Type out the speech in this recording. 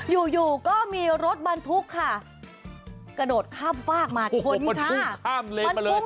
อยู่อยู่ก็มีรถบรรทุกค่ะกระโดดข้ามฝากมาชนค่ะข้ามเลนมาเลย